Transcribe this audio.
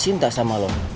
dia cinta sama lu